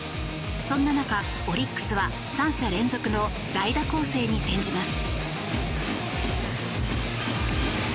そんな中、オリックスは３者連続の代打攻勢に転じます。